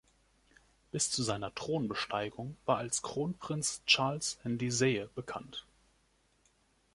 Bis zu seiner Thronbesteigung war er als Kronprinz Charles Ndizeye bekannt.